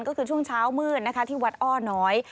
ก็คือช่วงเช้ามืดนะคะที่วัดอ้อน้อย